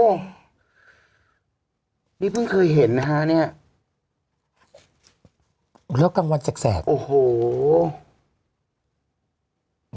นี่เพิ่งเคยเห็นนะฮะเนี่ยแล้วกลางวันแสกโอ้โห